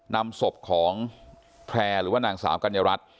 นำศพของแพร่หรือว่านางสาวกัญญารัฐ